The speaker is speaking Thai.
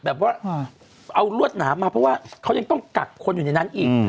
เอารวดหนามาเพราะว่าเค้ายังต้องกัดคนอยู่ในนั้นอีก